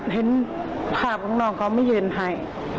เห็นภาพของน้องเขาไม่เยือนไห่